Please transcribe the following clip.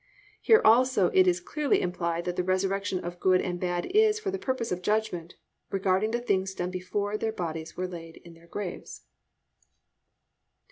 "+ Here also it is clearly implied that the resurrection of good and bad is for the purpose of judgment regarding the things done before their bodies were laid in their graves.